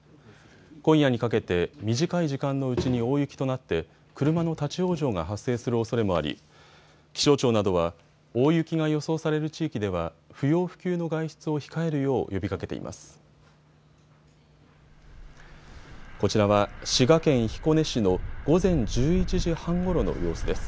今夜にかけて短い時間のうちに大雪となって、車の立往生が発生するおそれもあり気象庁などは大雪が予想される地域では不要不急の外出を控えるよう呼びかけています。